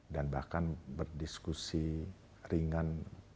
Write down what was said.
dan bahkan berdiskusi ringan